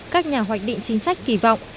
các nhà hoạch định chính sách kỳ vọng